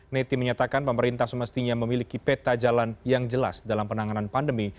neti menyatakan pemerintah semestinya memiliki peta jalan yang jelas dalam penanganan pandemi